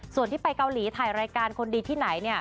ส่วนที่ไปเกาหลีถ่ายรายการคนดีที่ไหนเนี่ย